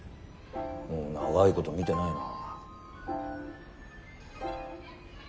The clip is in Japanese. もう長いこと見てないな。